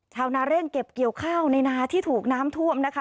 ชาวนาเร่งเก็บเกี่ยวข้าวในนาที่ถูกน้ำท่วมนะคะ